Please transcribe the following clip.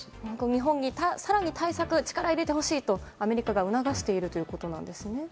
日本に更に対策力を入れてほしいとアメリカが促しているということですね。